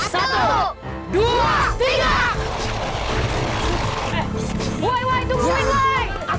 satu dua tiga